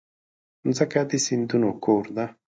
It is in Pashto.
مځکه د سیندونو کور ده.